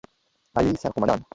اعلى سرقومندان